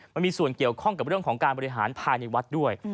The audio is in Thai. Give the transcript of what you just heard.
มันมีส่วนเกี่ยวข้องกับเรื่องของการบริหารภายในวัดด้วย